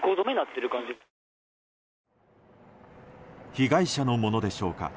被害者のものでしょうか。